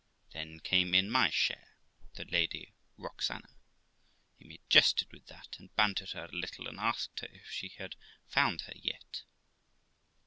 Then came in my share, the Lady Roxana. Amy jested with that, and bantered her a little, and asked her if she had found her yet.